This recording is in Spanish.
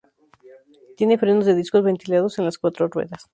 Tiene frenos de discos ventilados en las cuatro ruedas.